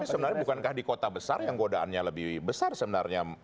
tapi sebenarnya bukankah di kota besar yang godaannya lebih besar sebenarnya